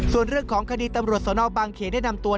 ส่วนเรื่องของคดีตำรวจสนบางเขได้นำตัว